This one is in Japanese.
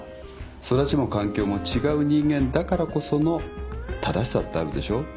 育ちも環境も違う人間だからこその正しさってあるでしょ。